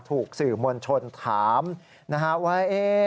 ถูกสื่อมวลชนถามว่า